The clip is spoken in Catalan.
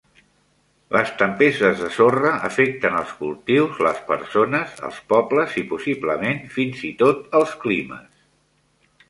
Les tempestes de sorra afecten els cultius, les persones, els pobles i possiblement fins i tot els climes.